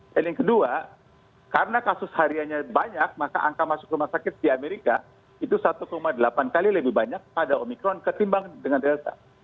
dan yang kedua karena kasus harianya banyak maka angka masuk rumah sakit di amerika itu satu delapan kali lebih banyak pada omikron ketimbang dengan delta